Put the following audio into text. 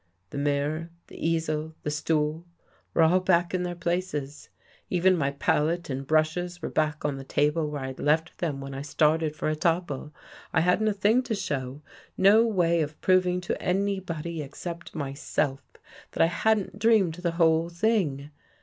The mirror, the easel, the stool, were all back in their places — even my palette and brushes were back on the table where I'd left them when I started for Etaples. I hadn't a thing to show — no way of proving to anybody ex cept myself, that I hadn't dreamed the whole thing.